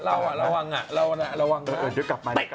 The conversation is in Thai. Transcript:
ด้วยกลับไปด้วยกลับไป